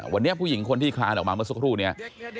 วันนี้ผู้หญิงคนที่คลานออกมาเมื่อสักครู่นี้